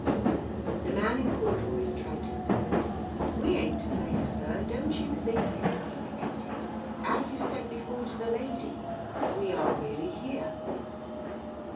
... The man in corduroys tried to soothe him. "We ain't to blame, Sir, don't you think it! " he repeated. "As you said before to the lady, we aren't really here